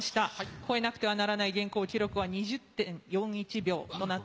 超えなくてはならない記録は２０．４１秒。